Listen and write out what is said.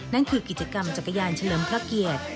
นั่นคือกิจกรรมจักรยานเฉลิมพระเกียรติ